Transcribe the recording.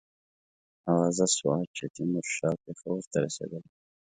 آوازه سوه چې تیمورشاه پېښور ته رسېدلی.